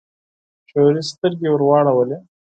ماشوم سترګې ورواړولې.